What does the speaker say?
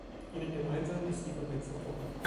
Ihnen gemeinsam ist die konvexe Form.